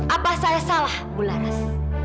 abah saya salah bu laras